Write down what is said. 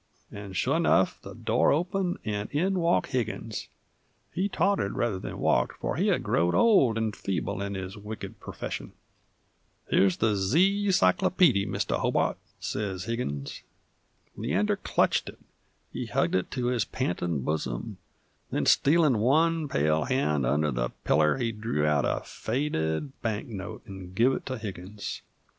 And, sure enough! the door opened, and in walked Higgins. He tottered rather than walked, f'r he had growed old 'nd feeble in his wicked perfession. "Here's the Z cyclopeedy, Mr. Hobart," sez Higgins. Leander clutched it; he hugged it to his pantin' bosom; then stealin' one pale hand under the piller he drew out a faded banknote 'nd gave it to Higgins.